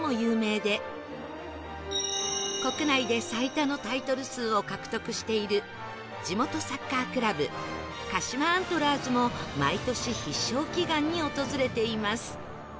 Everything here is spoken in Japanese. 国内で最多のタイトル数を獲得している地元サッカークラブ鹿島アントラーズも毎年必勝祈願に訪れています